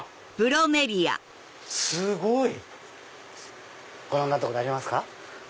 すごい！ご覧になったことありますか？